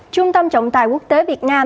trung tâm trọng tài quốc tế việt nam